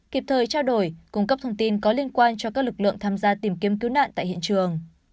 kịp thời trao đổi cung cấp thông tin có liên quan cho các lực lượng tham gia tìm kiếm cứu nạn tại hiện trường